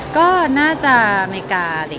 ก็น่าจะอเมริกาอะไรอย่างนี้ค่ะ